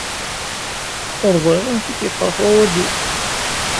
Ur ẓriɣ amek i k-yeqreḥ wawal-iw.